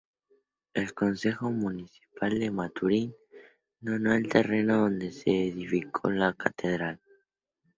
El Concejo Municipal de Maturín donó el terreno donde se edificó la catedral.